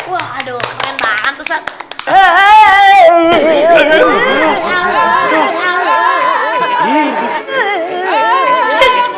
waduh keren banget